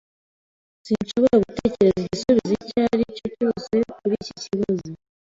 Sinshobora gutekereza igisubizo icyo ari cyo cyose kuri iki kibazo.